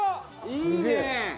いいねえ！